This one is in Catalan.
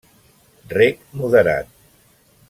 Reg moderat.